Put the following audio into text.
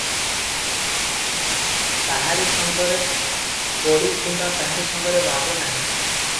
କାହାରି ସଙ୍ଗରେ କଳି କିମ୍ବା କାହାରି ସଙ୍ଗରେ ଭାବ ନାହିଁ ।